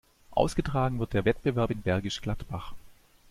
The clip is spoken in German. Ausgetragen wird der Wettbewerb in Bergisch Gladbach.